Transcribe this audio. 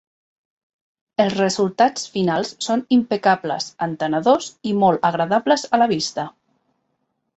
Els resultats finals són impecables, entenedors i molt agradables a la vista.